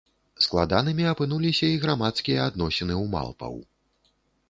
Складанымі апынуліся і грамадскія адносіны ў малпаў.